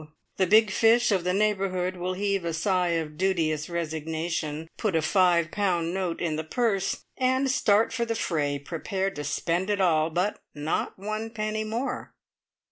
The big fish of the neighbourhood will heave a sigh of duteous resignation, put a five pound note in the purse, and start for the fray prepared to spend it all, but not one penny more!